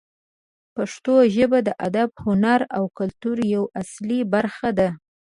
پښتو ژبه د ادب، هنر او کلتور یوه اصلي برخه ده.